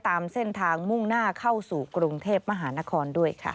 ตามเส้นทางมุ่งหน้าเข้าสู่กรุงเทพมหานครด้วยค่ะ